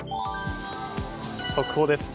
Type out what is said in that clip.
速報です。